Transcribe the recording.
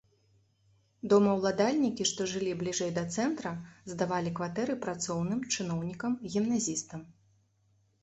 Домаўладальнікі, што жылі бліжэй да цэнтра, здавалі кватэры працоўным, чыноўнікам, гімназістам.